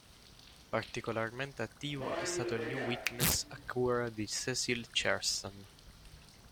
Particolarmente attivo è stato il "New Witness", a cura di Cecil Chesterton.